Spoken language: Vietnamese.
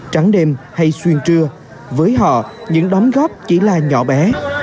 trắng đêm hay xuyên trưa với họ những đóng góp chỉ là nhỏ bé